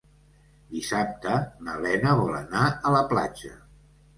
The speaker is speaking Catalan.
Dissabte na Lena vol anar a la platja.